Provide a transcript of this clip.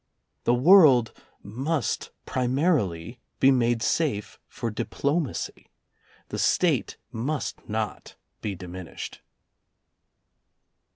The world must pri marily be made safe for diplomacy. The State must not be diminished.